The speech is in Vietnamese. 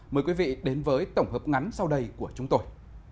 mời quý vị đến với tổng hợp ngắn sau đây của chúng tôi